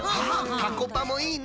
たこパもいいね。